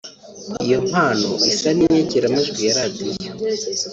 Iyo mpano isa n’inyakiramajwi ya Radiyo